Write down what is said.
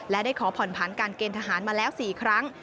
และได้ขอผ่อนผันการเกณฑ์ทหารมาแล้ว๔ครั้ง